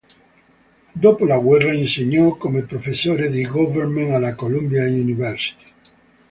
Dopo la guerra insegnò come professore di "Government" alla Columbia University".